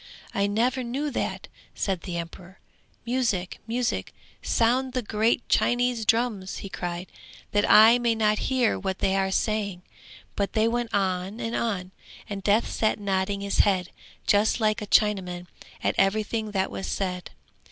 'I never knew that,' said the emperor. 'Music, music, sound the great Chinese drums!' he cried, 'that I may not hear what they are saying.' But they went on and on, and Death sat nodding his head, just like a Chinaman, at everything that was said.